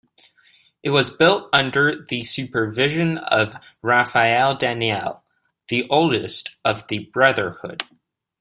It was built under the supervision of Raffaele Daniele, the oldest of the Brotherhood.